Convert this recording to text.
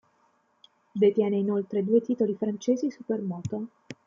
Detiene inoltre due titoli francesi supermoto.